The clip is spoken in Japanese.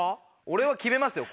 俺は決めますよ